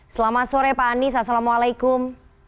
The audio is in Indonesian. selamat sore pak anies assalamualaikum